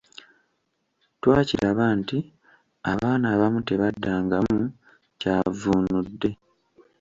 Twakiraba nti abaana abamu tebaddangamu kyavvuunudde.